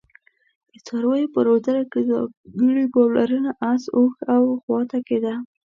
د څارویو په روزنه کې ځانګړي پاملرنه اس، اوښ او غوا ته کېده.